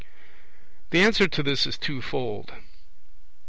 The answer to this is twofold.